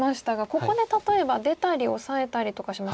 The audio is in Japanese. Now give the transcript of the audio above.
ここで例えば出たりオサえたりとかしますとどうなるんですか？